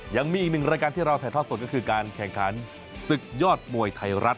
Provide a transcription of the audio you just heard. ยังมีอีกหนึ่งรายการที่เราถ่ายทอดสดก็คือการแข่งขันศึกยอดมวยไทยรัฐ